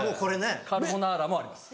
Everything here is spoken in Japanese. カルボナーラもあります。